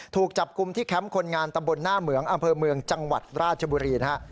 ถูกจับคุมที่แคมป์คนงานตำบลหน้าเหมืองอำเภอจังหวัดราชบุรี